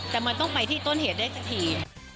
แต่มันต้องไปที่ต้นเหตุได้สักที